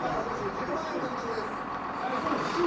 １０万円獲得です。